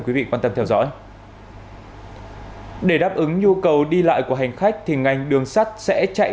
quý vị quan tâm theo dõi để đáp ứng nhu cầu đi lại của hành khách thì ngành đường sắt sẽ chạy